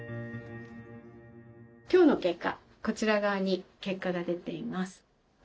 今日の結果こちら側に結果が出ています。